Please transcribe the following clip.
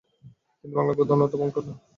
তিনি বাংলা গদ্যে অনুবাদ বরেন।